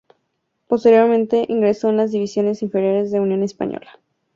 Posteriormente, ingresó en las divisiones inferiores de Unión Española.